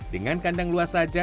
dengan kandang luas saja